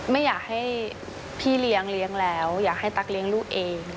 ไม่อยากให้พี่เลี้ยงเลี้ยงแล้วอยากให้ตั๊กเลี้ยงลูกเอง